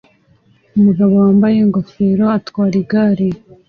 Umugabo wambaye ingofero atwara igare